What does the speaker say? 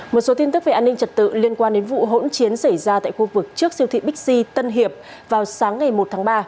một số tin tức về an ninh trật tự liên quan đến vụ hỗn chiến xảy ra tại khu vực trước siêu thị bixi tân hiệp vào sáng ngày một tháng ba